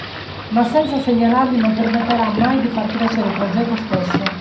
Ma senza segnalarli non permetterà mai di far crescere il progetto stesso.